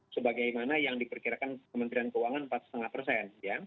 sebagaimana yang diperkirakan kementerian keuangan empat lima persen